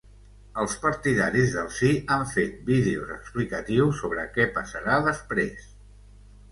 Els partidaris del ‘sí’ han fet vídeos explicatius sobre què passarà després.